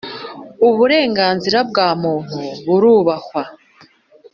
Uburenganzira bwa Muntu burubahwa.